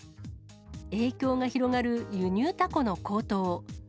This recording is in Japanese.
影響が広がる輸入タコの高騰。